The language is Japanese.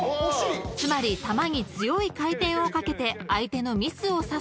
［つまり球に強い回転をかけて相手のミスを誘う戦術］